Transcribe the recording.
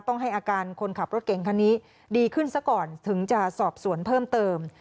ต้องให้อาการคนขับรถเก่งคันนี้ดีขึ้นซะก่อนถึงจะสอบสวนเพิ่มเติม